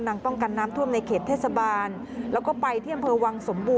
แล้วกับรัฐบาลใจถึงพึ่งได้นะ